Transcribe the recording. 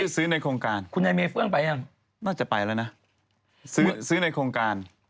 ซื้อในโครงการน่าจะไปแล้วนะซื้อในโครงการ